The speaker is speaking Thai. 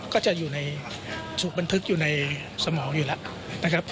ก็จะอยู่ในสูตรบันทึกอยู่ในสมองอยู่แล้ว